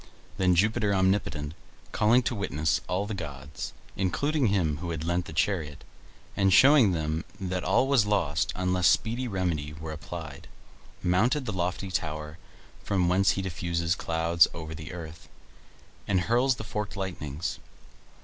Then Jupiter omnipotent, calling to witness all the gods, including him who had lent the chariot, and showing them that all was lost unless speedy remedy were applied, mounted the lofty tower from whence he diffuses clouds over the earth, and hurls the forked lightnings.